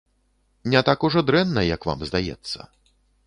Не так ужо дрэнна, як вам здаецца.